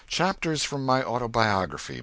CHAPTERS FROM MY AUTOBIOGRAPHY. VII.